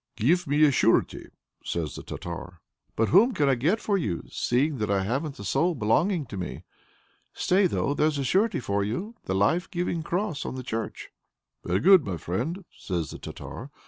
"Get me a surety," says the Tartar. "But whom can I get for you, seeing that I haven't a soul belonging to me? Stay, though! there's a surety for you, the life giving cross on the church!" "Very good, my friend!" says the Tartar.